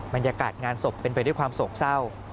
บรรยากาศงานศพเป็นไปด้วยความโศกเศร้า